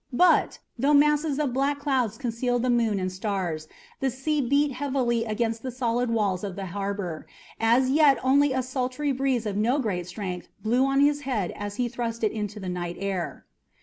But, though masses of black clouds concealed the moon and stars, and the sea beat heavily against the solid walls of the harbour, as yet only a sultry breeze of no great strength blew on his head as he thrust it into the night air.